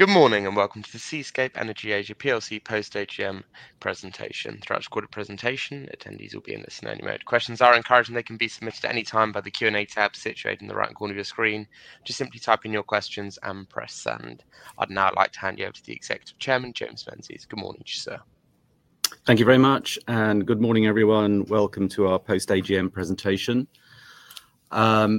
Good morning and welcome to the Seascape Energy Asia Post-AGM presentation. Throughout the recorded presentation, attendees will be in this scenario. Questions are encouraged and they can be submitted at any time by the Q&A tab situated in the right corner of your screen. Just simply type in your questions and press send. I'd now like to hand you over to the Executive Chairman, James Menzies. Good morning, sir. Thank you very much and good morning, everyone. Welcome to our Post-AGM presentation. We're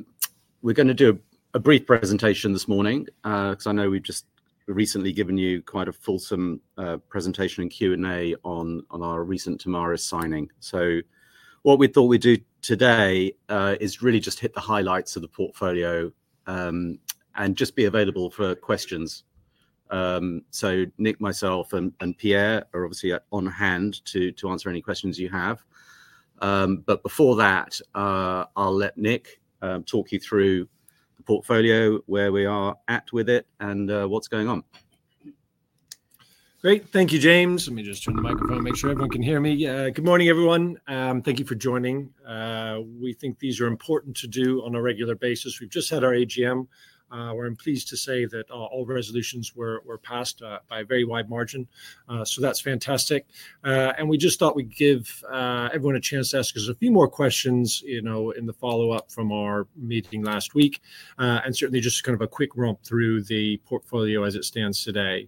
going to do a brief presentation this morning because I know we've just recently given you quite a fulsome presentation and Q&A on our recent Tamaras signing. What we thought we'd do today is really just hit the highlights of the portfolio and just be available for questions. Nick, myself, and Pierre are obviously on hand to answer any questions you have. Before that, I'll let Nick talk you through the portfolio, where we are at with it, and what's going on. Great. Thank you, James. Let me just turn the microphone and make sure everyone can hear me. Good morning, everyone. Thank you for joining. We think these are important to do on a regular basis. We have just had our AGM. We are pleased to say that all resolutions were passed by a very wide margin. That is fantastic. We just thought we would give everyone a chance to ask us a few more questions in the follow-up from our meeting last week, and certainly just kind of a quick romp through the portfolio as it stands today.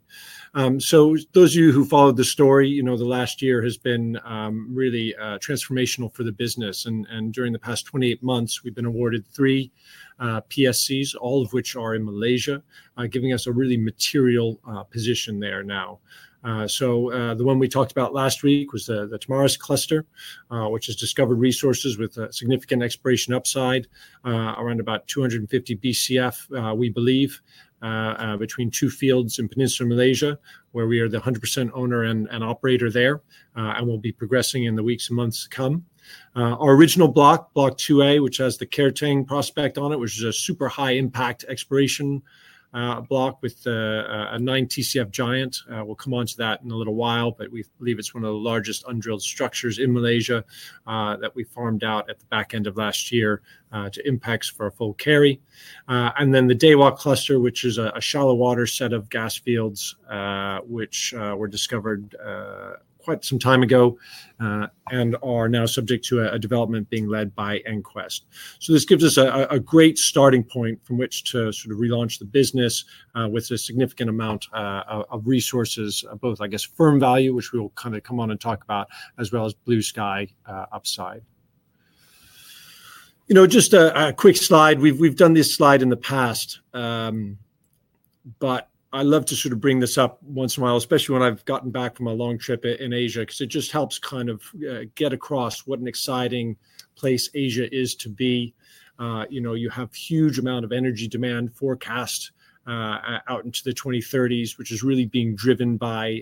Those of you who followed the story, the last year has been really transformational for the business. During the past 28 months, we have been awarded three PSCs, all of which are in Malaysia, giving us a really material position there now. The one we talked about last week was the Tamaras cluster, which has discovered resources with significant exploration upside, around about 250 BCF, we believe, between two fields in Peninsula Malaysia, where we are the 100% owner and operator there, and we'll be progressing in the weeks and months to come. Our original block, Block 2A, which has the Kertang prospect on it, which is a super high-impact exploration block with a 9 TCF giant. We'll come on to that in a little while, but we believe it's one of the largest undrilled structures in Malaysia that we farmed out at the back end of last year to Inpex for a full carry. Then the Dewa cluster, which is a shallow water set of gas fields, which were discovered quite some time ago and are now subject to a development being led by EnQuest. This gives us a great starting point from which to sort of relaunch the business with a significant amount of resources, both, I guess, firm value, which we'll kind of come on and talk about, as well as blue sky upside. Just a quick slide. We've done this slide in the past, but I love to sort of bring this up once in a while, especially when I've gotten back from a long trip in Asia, because it just helps kind of get across what an exciting place Asia is to be. You have a huge amount of energy demand forecast out into the 2030s, which is really being driven by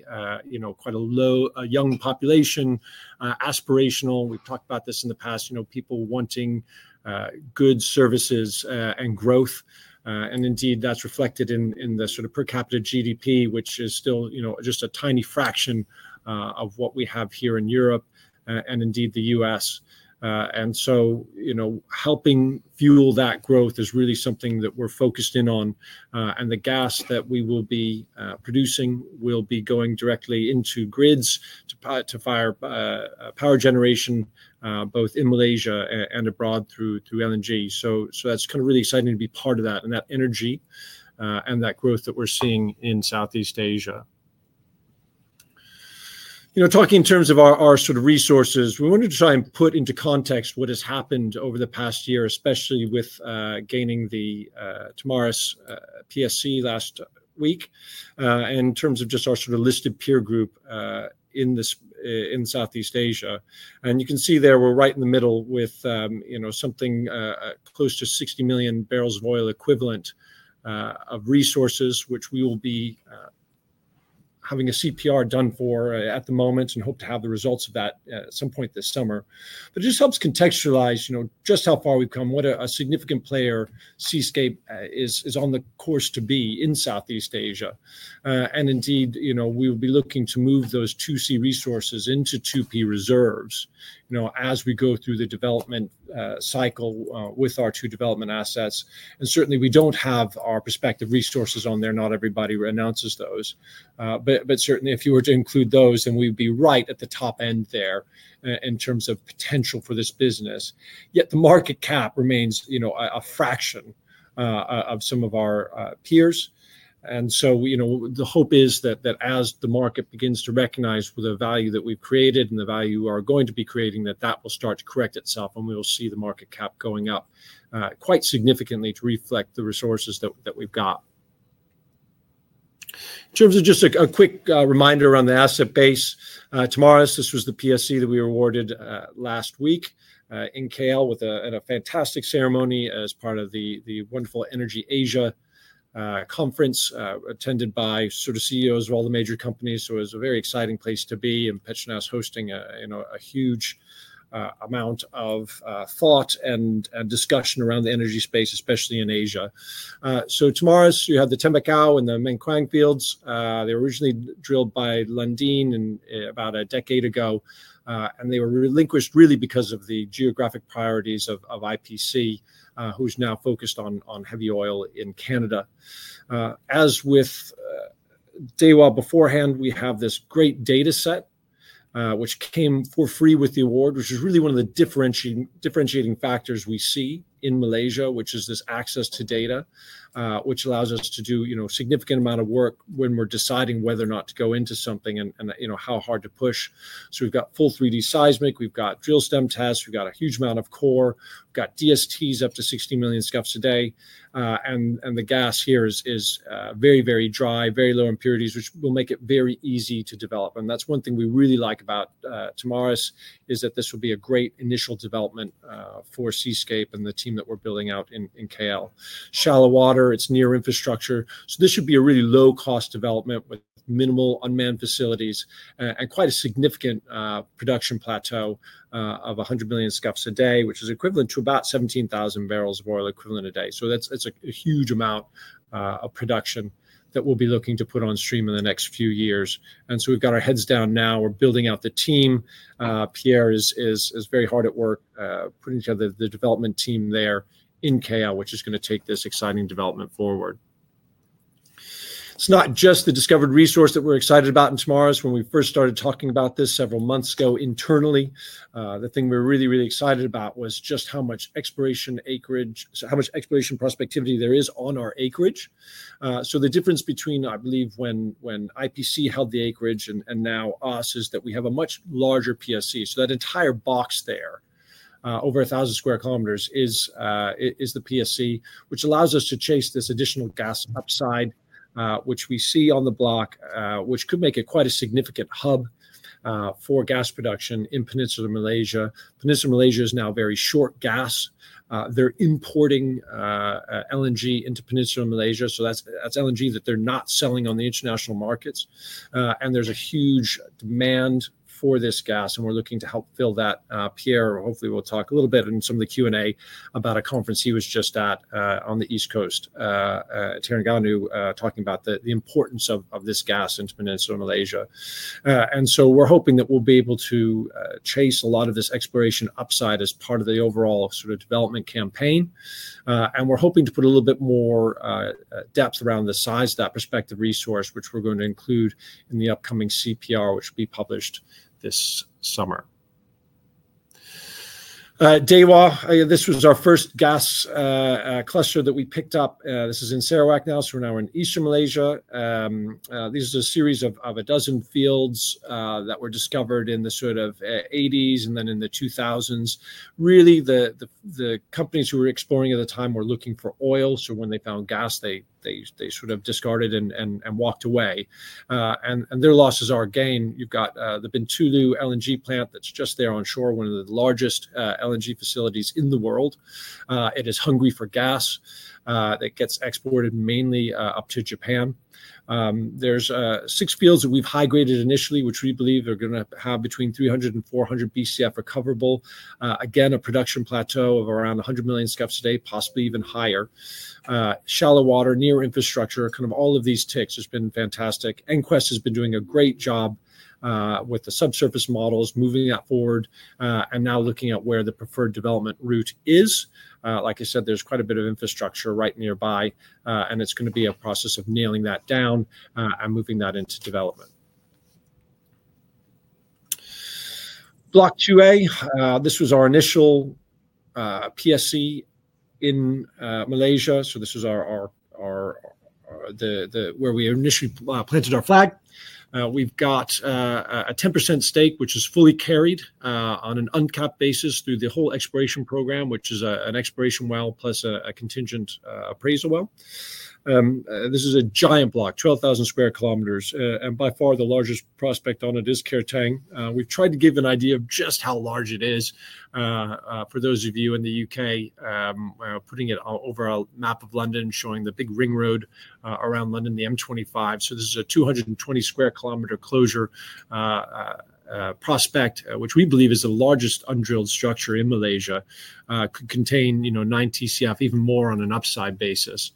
quite a low, young population, aspirational. We've talked about this in the past, people wanting good services and growth. Indeed, that is reflected in the sort of per capita GDP, which is still just a tiny fraction of what we have here in Europe and indeed the U.S. Helping fuel that growth is really something that we are focused in on. The gas that we will be producing will be going directly into grids to fire power generation, both in Malaysia and abroad through LNG. That is kind of really exciting to be part of that and that energy and that growth that we are seeing in Southeast Asia. Talking in terms of our sort of resources, we wanted to try and put into context what has happened over the past year, especially with gaining the Tamaras PSC last week and in terms of just our sort of listed peer group in Southeast Asia. You can see there we are right in the middle with something close to 60 million barrels of oil equivalent of resources, which we will be having a CPR done for at the moment and hope to have the results of that at some point this summer. It just helps contextualize just how far we have come, what a significant player Seascape is on the course to be in Southeast Asia. Indeed, we will be looking to move those 2C resources into 2P reserves as we go through the development cycle with our two development assets. Certainly, we do not have our prospective resources on there. Not everybody announces those. Certainly, if you were to include those, then we would be right at the top end there in terms of potential for this business. Yet the market cap remains a fraction of some of our peers. The hope is that as the market begins to recognize the value that we've created and the value we are going to be creating, that will start to correct itself and we will see the market cap going up quite significantly to reflect the resources that we've got. In terms of just a quick reminder around the asset base, Tamaras, this was the PSC that we were awarded last week in Kuala with a fantastic ceremony as part of the wonderful Energy Asia conference attended by sort of CEOs of all the major companies. It was a very exciting place to be and Petronas hosting a huge amount of thought and discussion around the energy space, especially in Asia. Tamaras, you have the Tembakau and the Mengkuang fields. They were originally drilled by Lundin about a decade ago. They were relinquished really because of the geographic priorities of IPC, who's now focused on heavy oil in Canada. As with Dewa beforehand, we have this great data set, which came for free with the award, which is really one of the differentiating factors we see in Malaysia, which is this access to data, which allows us to do a significant amount of work when we're deciding whether or not to go into something and how hard to push. We have full 3D seismic, we have drill stem tests, we have a huge amount of core, we have DSTs up to 60 MMscfd. The gas here is very, very dry, very low impurities, which will make it very easy to develop. That is one thing we really like about Tamaras is that this will be a great initial development for Seascape and the team that we are building out in Kuala. Shallow water, it is near infrastructure. This should be a really low-cost development with minimal unmanned facilities and quite a significant production plateau of 100 million scuffs a day, which is equivalent to about 17,000 barrels of oil equivalent a day. That is a huge amount of production that we will be looking to put on stream in the next few years. We have our heads down now. We are building out the team. Pierre is very hard at work putting together the development team there in Kuala, which is going to take this exciting development forward. It is not just the discovered resource that we are excited about in Tamaras. When we first started talking about this several months ago internally, the thing we were really, really excited about was just how much exploration acreage, how much exploration prospectivity there is on our acreage. The difference between, I believe, when IPC held the acreage and now us is that we have a much larger PSC. That entire box there, over 1,000 square kilometers, is the PSC, which allows us to chase this additional gas upside, which we see on the block, which could make it quite a significant hub for gas production in Peninsula Malaysia. Peninsula Malaysia is now very short gas. They're importing LNG into Peninsula Malaysia. That is LNG that they're not selling on the international markets. There is a huge demand for this gas. We're looking to help fill that. Pierre, hopefully, will talk a little bit in some of the Q&A about a conference he was just at on the East Coast, Terengganu, talking about the importance of this gas into Peninsula Malaysia. We are hoping that we will be able to chase a lot of this exploration upside as part of the overall sort of development campaign. We are hoping to put a little bit more depth around the size of that prospective resource, which we are going to include in the upcoming CPR, which will be published this summer. Dewa, this was our first gas cluster that we picked up. This is in Sarawak now. We are now in Eastern Malaysia. These are a series of a dozen fields that were discovered in the 1980s and then in the 2000s. Really, the companies who were exploring at the time were looking for oil. When they found gas, they sort of discarded and walked away. Their losses are a gain. You've got the Bintulu LNG plant that's just there on shore, one of the largest LNG facilities in the world. It is hungry for gas. It gets exported mainly up to Japan. There are six fields that we've high-graded initially, which we believe are going to have between 300 BCF-400 BCF recoverable. Again, a production plateau of around 100 million scuffs a day, possibly even higher. Shallow water, near infrastructure, kind of all of these ticks has been fantastic. EnQuest has been doing a great job with the subsurface models, moving that forward, and now looking at where the preferred development route is. Like I said, there's quite a bit of infrastructure right nearby, and it's going to be a process of nailing that down and moving that into development. Block 2A, this was our initial PSC in Malaysia. This is where we initially planted our flag. We have got a 10% stake, which is fully carried on an uncapped basis through the whole exploration program, which is an exploration well plus a contingent appraisal well. This is a giant block, 12,000 sq km, and by far the largest prospect on it is Kertang. We have tried to give an idea of just how large it is for those of you in the U.K., putting it over a map of London, showing the big ring road around London, the M25. This is a 220 sq km closure prospect, which we believe is the largest undrilled structure in Malaysia, could contain 9 TCF, even more on an upside basis.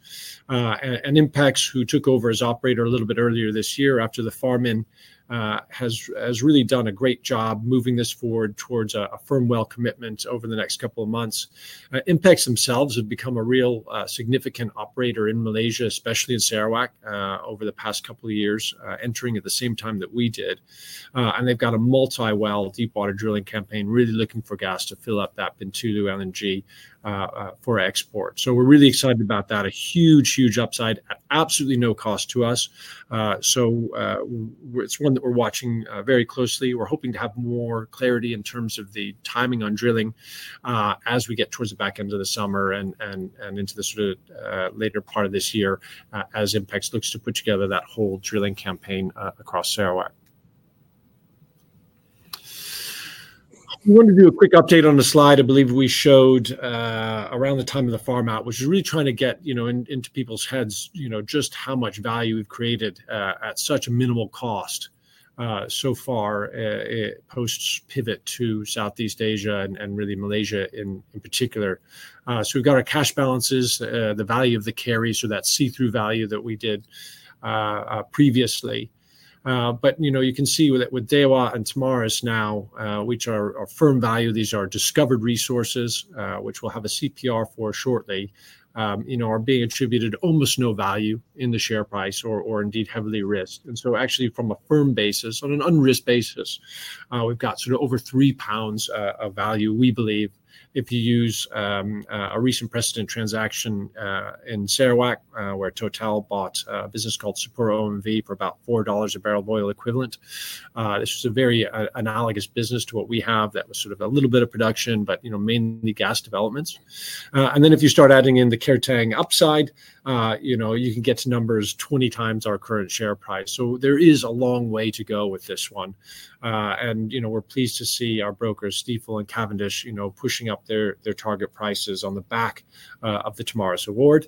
Impex, who took over as operator a little bit earlier this year after the farm in, has really done a great job moving this forward towards a firm well commitment over the next couple of months. Impex themselves have become a real significant operator in Malaysia, especially in Sarawak over the past couple of years, entering at the same time that we did. They've got a multi-well deep water drilling campaign, really looking for gas to fill up that Bintulu LNG for export. We are really excited about that. A huge, huge upside, absolutely no cost to us. It is one that we are watching very closely. We're hoping to have more clarity in terms of the timing on drilling as we get towards the back end of the summer and into the sort of later part of this year as Inpex looks to put together that whole drilling campaign across Sarawak. I wanted to do a quick update on the slide. I believe we showed around the time of the farm out, which is really trying to get into people's heads just how much value we've created at such a minimal cost so far post-pivot to Southeast Asia and really Malaysia in particular. We've got our cash balances, the value of the carry, so that see-through value that we did previously. You can see with Dewa and Tamaras now, which are firm value, these are discovered resources, which we'll have a CPR for shortly, are being attributed almost no value in the share price or indeed heavily risked. Actually, from a firm basis, on an unrisked basis, we've got sort of over 3 pounds of value, we believe, if you use a recent precedent transaction in Sarawak where TotalEnergies bought a business called SapuraOMV for about $4 a barrel of oil equivalent. This was a very analogous business to what we have that was a little bit of production, but mainly gas developments. If you start adding in the Kertang upside, you can get to numbers 20 times our current share price. There is a long way to go with this one. We're pleased to see our brokers, Stifel and Cavendish, pushing up their target prices on the back of the Tamaras award.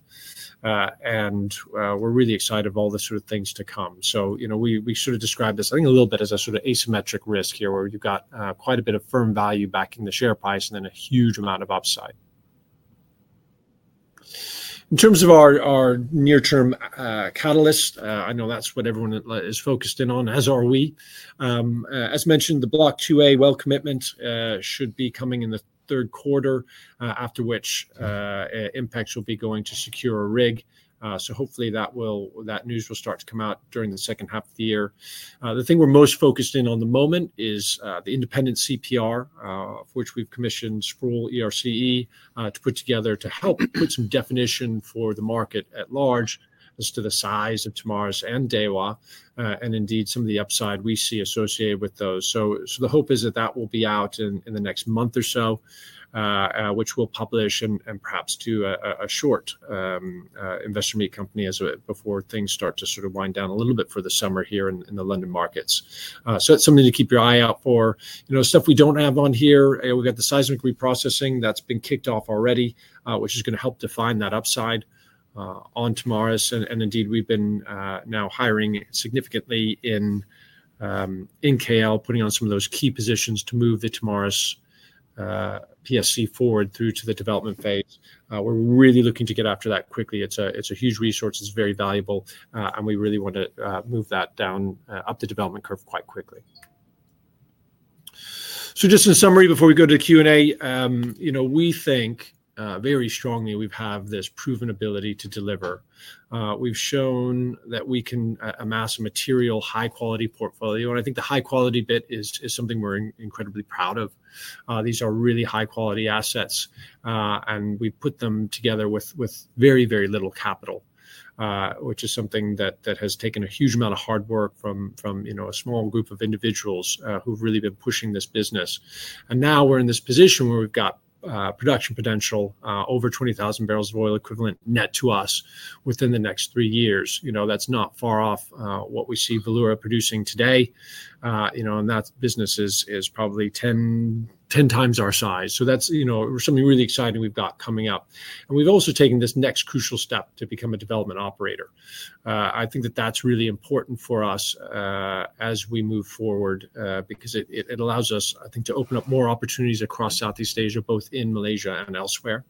We're really excited of all the sort of things to come. We sort of describe this, I think, a little bit as a sort of asymmetric risk here where you've got quite a bit of firm value back in the share price and then a huge amount of upside. In terms of our near-term catalyst, I know that's what everyone is focused in on, as are we. As mentioned, the Block 2A well commitment should be coming in the third quarter, after which Inpex will be going to secure a rig. Hopefully that news will start to come out during the second half of the year. The thing we're most focused in on the moment is the independent CPR, for which we've commissioned Sproule ERCE to put together to help put some definition for the market at large as to the size of Tamaras and Dewa and indeed some of the upside we see associated with those. The hope is that that will be out in the next month or so, which we'll publish and perhaps do a short investor meet company before things start to sort of wind down a little bit for the summer here in the London markets. It's something to keep your eye out for. Stuff we don't have on here, we've got the seismic reprocessing that's been kicked off already, which is going to help define that upside on Tamaras. Indeed, we've been now hiring significantly in Kuala, putting on some of those key positions to move the Tamaras PSC forward through to the development phase. We're really looking to get after that quickly. It's a huge resource. It's very valuable. We really want to move that up the development curve quite quickly. Just in summary, before we go to Q&A, we think very strongly we have this proven ability to deliver. We've shown that we can amass a material, high-quality portfolio. I think the high-quality bit is something we're incredibly proud of. These are really high-quality assets. We put them together with very, very little capital, which is something that has taken a huge amount of hard work from a small group of individuals who've really been pushing this business. We are now in this position where we have production potential over 20,000 barrels of oil equivalent net to us within the next three years. That is not far off what we see Velour producing today. That business is probably 10 times our size. That is something really exciting we have coming up. We have also taken this next crucial step to become a development operator. I think that is really important for us as we move forward because it allows us, I think, to open up more opportunities across Southeast Asia, both in Malaysia and elsewhere.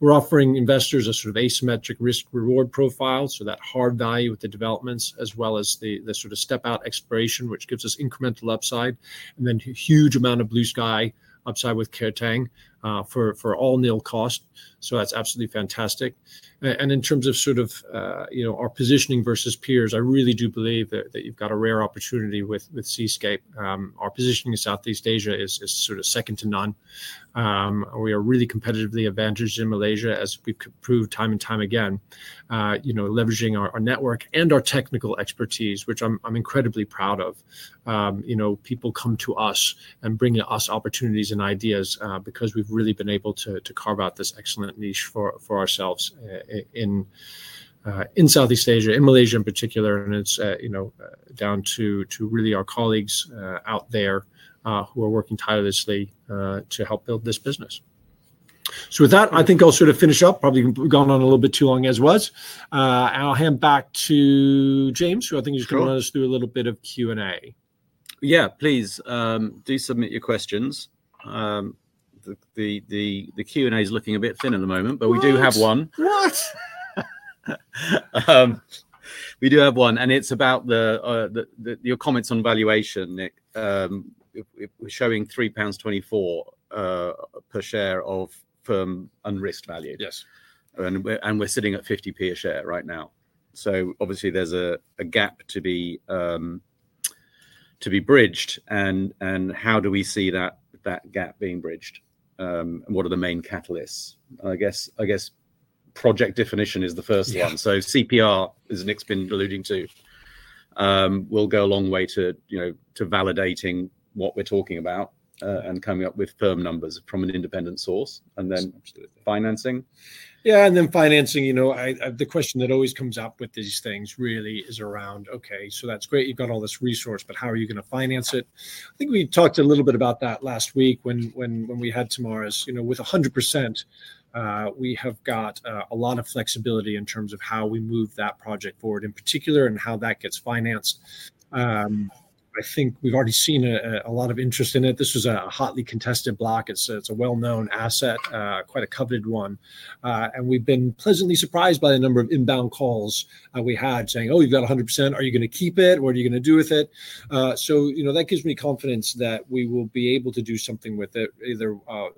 We are offering investors a sort of asymmetric risk-reward profile, so that hard value with the developments as well as the sort of step-out exploration, which gives us incremental upside. There is a huge amount of blue sky upside with Kertang for all nil cost. That is absolutely fantastic. In terms of sort of our positioning versus peers, I really do believe that you've got a rare opportunity with Seascape. Our positioning in Southeast Asia is sort of second to none. We are really competitively advantaged in Malaysia, as we've proved time and time again, leveraging our network and our technical expertise, which I'm incredibly proud of. People come to us and bring to us opportunities and ideas because we've really been able to carve out this excellent niche for ourselves in Southeast Asia, in Malaysia in particular, and it's down to really our colleagues out there who are working tirelessly to help build this business. With that, I think I'll sort of finish up. Probably gone on a little bit too long as was. I'll hand back to James, who I think is going to run us through a little bit of Q&A. Yeah, please. Do submit your questions. The Q&A is looking a bit thin at the moment, but we do have one. What? We do have one. And it is about your comments on valuation, Nick. We are showing 3.24 pounds per share of firm unrisked value. Yes. And we are sitting at 0.50 a share right now. Obviously, there is a gap to be bridged. How do we see that gap being bridged? What are the main catalysts? I guess project definition is the first one. CPR, as Nick has been alluding to, will go a long way to validating what we are talking about and coming up with firm numbers from an independent source. Then financing. Yes, and then financing. The question that always comes up with these things really is around, okay, that is great. You have got all this resource, but how are you going to finance it? I think we talked a little bit about that last week when we had Tamaras. With 100%, we have got a lot of flexibility in terms of how we move that project forward in particular and how that gets financed. I think we've already seen a lot of interest in it. This was a hotly contested block. It's a well-known asset, quite a coveted one. We have been pleasantly surprised by the number of inbound calls we had saying, "Oh, you've got 100%. Are you going to keep it? What are you going to do with it?" That gives me confidence that we will be able to do something with it. Either a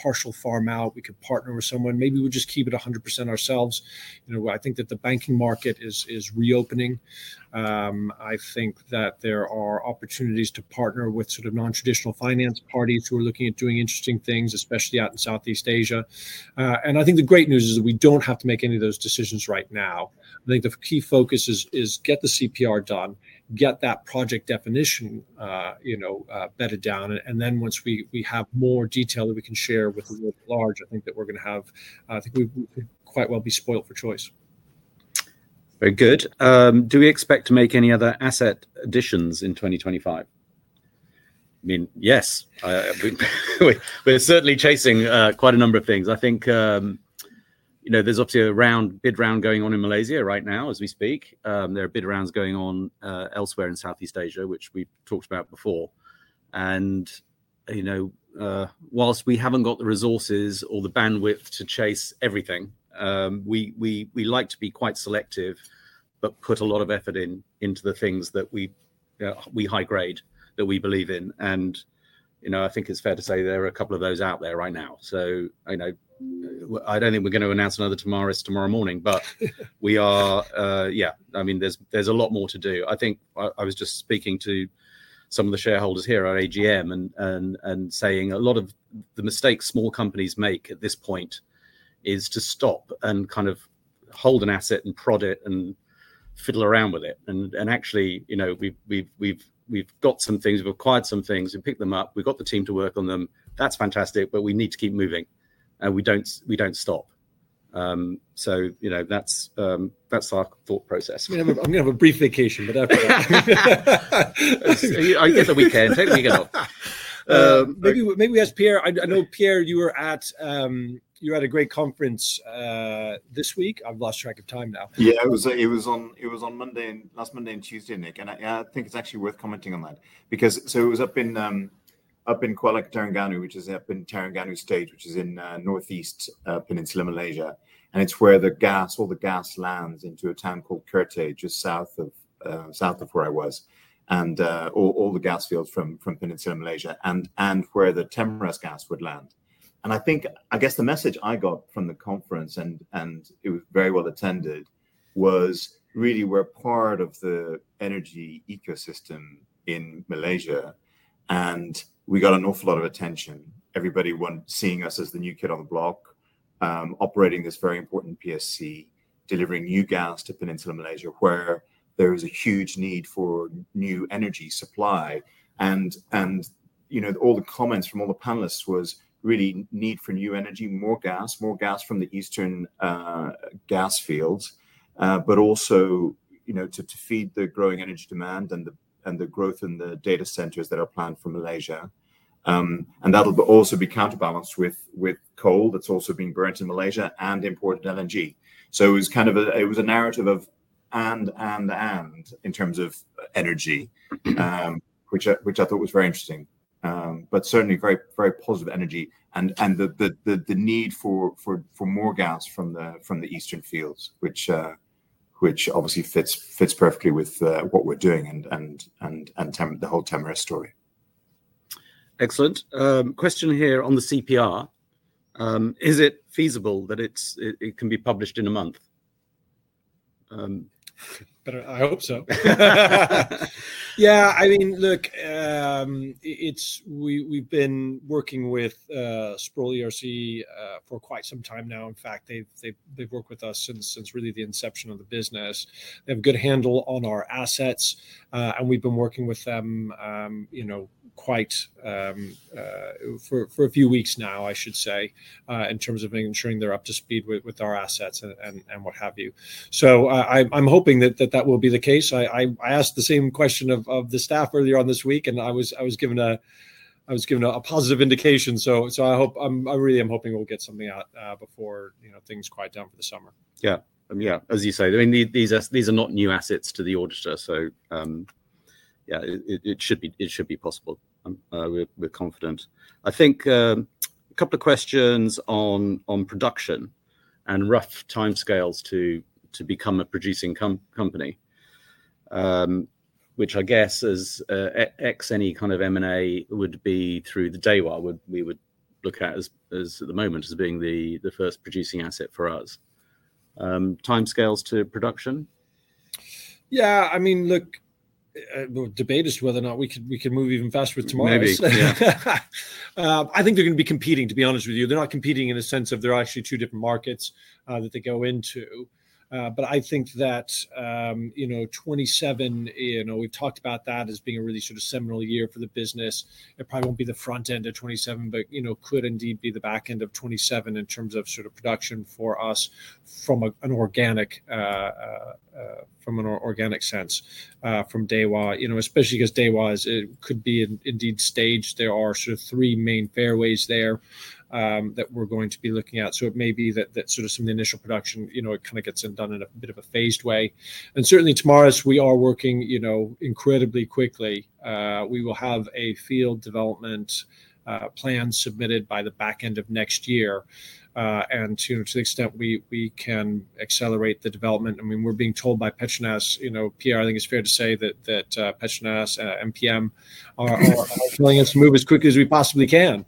partial farm out, we could partner with someone. Maybe we'll just keep it 100% ourselves. I think that the banking market is reopening. I think that there are opportunities to partner with sort of non-traditional finance parties who are looking at doing interesting things, especially out in Southeast Asia. I think the great news is that we do not have to make any of those decisions right now. I think the key focus is get the CPR done, get that project definition bedded down. Once we have more detail that we can share with the world at large, I think that we are going to have, I think we will quite well be spoilt for choice. Very good. Do we expect to make any other asset additions in 2025? I mean, yes. We are certainly chasing quite a number of things. I think there is obviously a big round going on in Malaysia right now as we speak. There are big rounds going on elsewhere in Southeast Asia, which we have talked about before. Whilst we have not got the resources or the bandwidth to chase everything, we like to be quite selective, but put a lot of effort into the things that we high grade that we believe in. I think it is fair to say there are a couple of those out there right now. I do not think we are going to announce another Tamaras tomorrow morning, but we are, yeah, I mean, there is a lot more to do. I think I was just speaking to some of the shareholders here at AGM and saying a lot of the mistakes small companies make at this point is to stop and kind of hold an asset and prod it and fiddle around with it. Actually, we have got some things, we have acquired some things, we have picked them up, we have got the team to work on them. That's fantastic, but we need to keep moving. We do not stop. That is our thought process. I'm going to have a brief vacation, but after that. I guess a weekend, take a weekend off. Maybe we ask Pierre. I know, Pierre, you were at a great conference this week. I've lost track of time now. Yeah, it was on Monday, last Monday and Tuesday, Nick. I think it's actually worth commenting on that. It was up in Kuala Terengganu, which is up in Terengganu State, which is in northeast Peninsula Malaysia. It is where all the gas lands into a town called Kerteh, just south of where I was, and all the gas fields from Peninsula Malaysia and where the Tamaras gas would land. I guess the message I got from the conference, and it was very well attended, was really we're part of the energy ecosystem in Malaysia. We got an awful lot of attention. Everybody seeing us as the new kid on the block, operating this very important PSC, delivering new gas to Peninsula Malaysia, where there is a huge need for new energy supply. All the comments from all the panelists was really need for new energy, more gas, more gas from the eastern gas fields, but also to feed the growing energy demand and the growth in the data centers that are planned for Malaysia. That'll also be counterbalanced with coal that's also being burnt in Malaysia and imported LNG. It was kind of a narrative of and, and, and in terms of energy, which I thought was very interesting. Certainly very positive energy and the need for more gas from the eastern fields, which obviously fits perfectly with what we're doing and the whole Temaras story. Excellent. Question here on the CPR. Is it feasible that it can be published in a month? I hope so. Yeah, I mean, look, we've been working with Sproule ERCE for quite some time now. In fact, they've worked with us since really the inception of the business. They have a good handle on our assets. And we've been working with them for a few weeks now, I should say, in terms of ensuring they're up to speed with our assets and what have you. I'm hoping that that will be the case. I asked the same question of the staff earlier on this week, and I was given a positive indication. I really am hoping we'll get something out before things quiet down for the summer. Yeah. Yeah, as you say. I mean, these are not new assets to the auditor. So yeah, it should be possible. We're confident. I think a couple of questions on production and rough timescales to become a producing company, which I guess, as X any kind of M&A would be through the Dewa, we would look at at the moment as being the first producing asset for us. Timescales to production? Yeah, I mean, look, the debate is whether or not we can move even faster with Tamaras. Maybe. Yeah. I think they're going to be competing, to be honest with you. They're not competing in a sense of they're actually two different markets that they go into. I think that 2027, we've talked about that as being a really sort of seminal year for the business. It probably won't be the front end of 2027, but could indeed be the back end of 2027 in terms of sort of production for us from an organic sense, from Dewa, especially because Dewa could be indeed staged. There are sort of three main fairways there that we're going to be looking at. It may be that some of the initial production, it kind of gets done in a bit of a phased way. Certainly, Tamaras, we are working incredibly quickly. We will have a field development plan submitted by the back end of next year. To the extent we can accelerate the development, I mean, we're being told by Petronas, Pierre, I think it's fair to say that Petronas and MPM are telling us to move as quickly as we possibly can.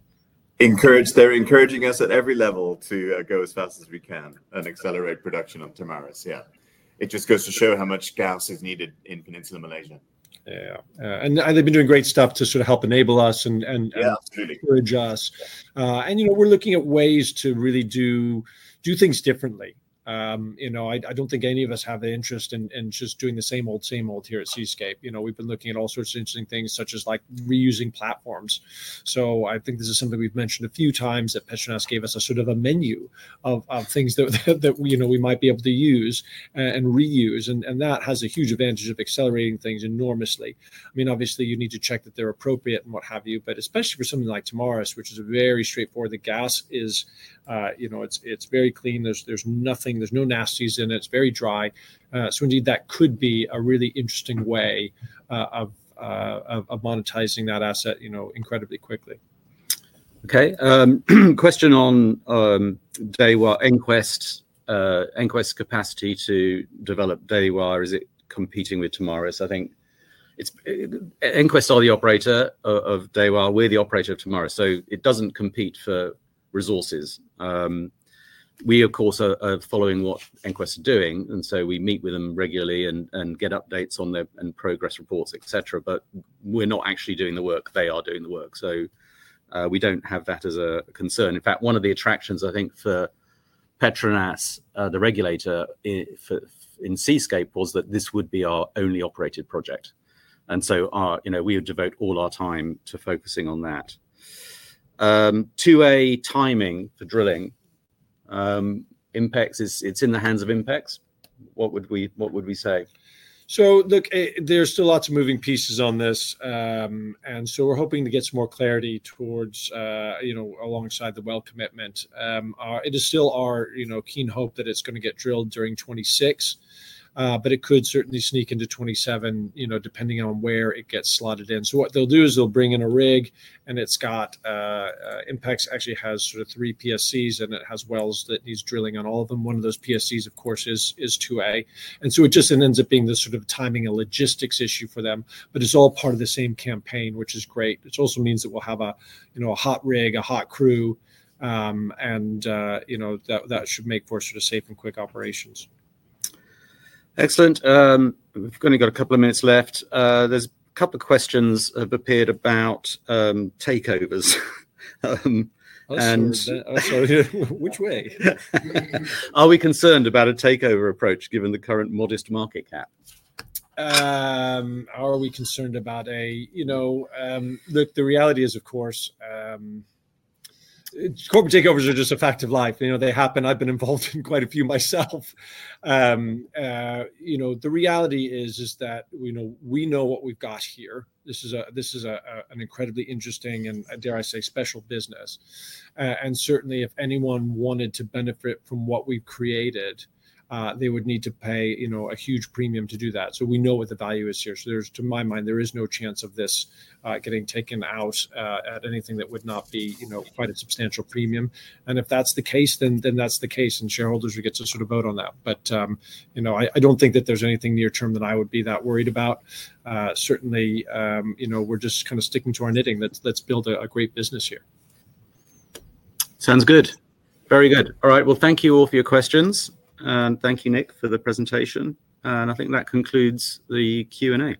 They're encouraging us at every level to go as fast as we can and accelerate production on Tamaras. Yeah. It just goes to show how much gas is needed in Peninsula Malaysia. Yeah. They've been doing great stuff to sort of help enable us and encourage us. We're looking at ways to really do things differently. I don't think any of us have an interest in just doing the same old, same old here at Seascape. We've been looking at all sorts of interesting things, such as reusing platforms. I think this is something we've mentioned a few times that Petronas gave us a sort of a menu of things that we might be able to use and reuse. That has a huge advantage of accelerating things enormously. I mean, obviously, you need to check that they're appropriate and what have you, but especially for something like Tamaras, which is very straightforward. The gas is very clean. There's no nasties in it. It's very dry. Indeed, that could be a really interesting way of monetizing that asset incredibly quickly. Okay. Question on Dewa, EnQuest's capacity to develop Dewa as it competing with Tamaras. I think EnQuest are the operator of Dewa. We're the operator of Tamaras. It doesn't compete for resources. We, of course, are following what EnQuest are doing. We meet with them regularly and get updates on them and progress reports, etc. We are not actually doing the work. They are doing the work. We do not have that as a concern. In fact, one of the attractions, I think, for Petronas, the regulator in Seascape, was that this would be our only operated project. We would devote all our time to focusing on that. 2A timing for drilling is in the hands of Inpex. What would we say? There are still lots of moving pieces on this. We are hoping to get some more clarity alongside the well commitment. It is still our keen hope that it is going to get drilled during 2026, but it could certainly sneak into 2027, depending on where it gets slotted in. What they'll do is they'll bring in a rig, and Inpex actually has sort of three PSCs, and it has wells that need drilling on all of them. One of those PSCs, of course, is 2A. It just ends up being this sort of timing and logistics issue for them, but it's all part of the same campaign, which is great. It also means that we'll have a hot rig, a hot crew, and that should make for safe and quick operations. Excellent. We've only got a couple of minutes left. A couple of questions have appeared about takeovers. Which way? Are we concerned about a takeover approach given the current modest market cap? Are we concerned about a—look, the reality is, of course, corporate takeovers are just a fact of life. They happen. I've been involved in quite a few myself. The reality is that we know what we've got here. This is an incredibly interesting, and dare I say, special business. Certainly, if anyone wanted to benefit from what we've created, they would need to pay a huge premium to do that. We know what the value is here. To my mind, there is no chance of this getting taken out at anything that would not be quite a substantial premium. If that's the case, then that's the case, and shareholders would get to sort of vote on that. I don't think that there's anything near-term that I would be that worried about. Certainly, we're just kind of sticking to our knitting. Let's build a great business here. Sounds good. Very good. All right. Thank you all for your questions. Thank you, Nick, for the presentation. I think that concludes the Q&A.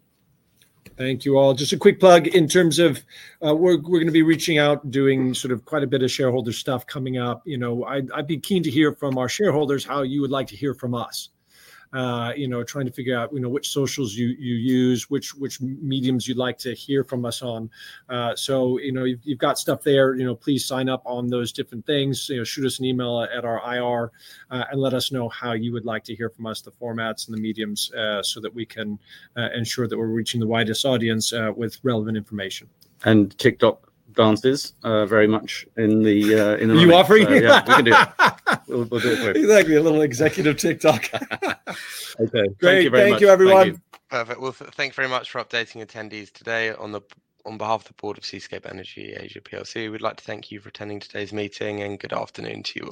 Thank you all. Just a quick plug in terms of we're going to be reaching out, doing sort of quite a bit of shareholder stuff coming up. I'd be keen to hear from our shareholders how you would like to hear from us, trying to figure out which socials you use, which mediums you'd like to hear from us on. You have stuff there. Please sign up on those different things. Shoot us an email at our IR and let us know how you would like to hear from us, the formats and the mediums, so that we can ensure that we're reaching the widest audience with relevant information. TikTok dances very much in the you offering? Yeah. We can do it. We'll do it quickly. Exactly. A little executive TikTok. Okay. Thank you very much. Thank you, everyone. Perfect. Thank you very much for updating attendees today on behalf of the Board of Seascape Energy Asia. We'd like to thank you for attending today's meeting, and good afternoon to you all.